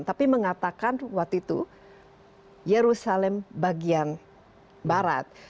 tapi mengatakan waktu itu yerusalem bagian barat